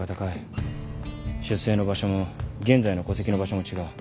出生の場所も現在の戸籍の場所も違う。